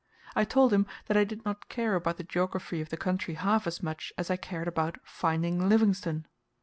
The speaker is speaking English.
I told him that I did not care about the geography of the country half as much as I cared about FINDING LIVINGSTONE!